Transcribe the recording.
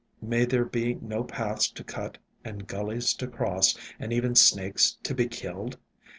May there not be paths to cut and gullies to cross, and even snakes to be killed?